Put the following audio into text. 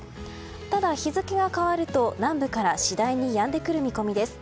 ただ、日付が変わると南部から次第にやんでくる見込みです。